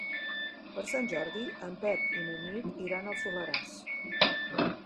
Per Sant Jordi en Pep i na Nit iran al Soleràs.